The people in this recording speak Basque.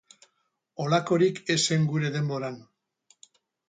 Holakorik ez zen gure denboran.